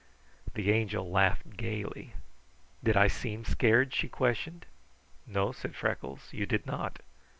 The Angel laughed gaily. "Did I seem scared?" she questioned. "No," said Freckles, "you did not."